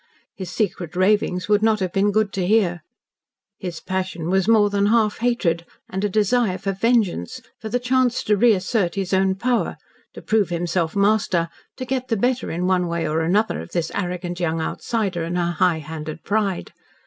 His secret ravings would not have been good to hear. His passion was more than half hatred, and a desire for vengeance, for the chance to re assert his own power, to prove himself master, to get the better in one way or another of this arrogant young outsider and her high handed pride.